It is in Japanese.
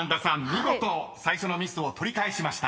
見事最初のミスを取り返しました］